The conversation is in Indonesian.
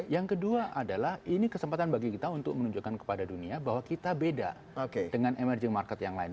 yang kedua adalah ini kesempatan bagi kita untuk menunjukkan kepada dunia bahwa kita beda dengan emerging market yang lain